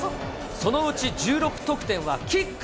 そのうち１６得点はキック。